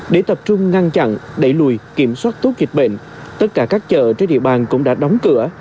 để tập trung ngăn chặn đẩy lùi kiểm soát tốt dịch bệnh tất cả các chợ trên địa bàn cũng đã đóng cửa